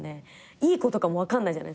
いいことかも分かんないじゃないですか。